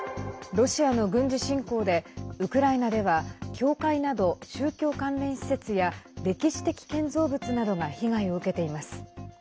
ロシアの軍事侵攻でウクライナでは教会など宗教関連施設や歴史的建造物などが被害を受けています。